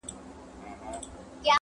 چي ته څوک یې ته پر کوم لوري روان یې!.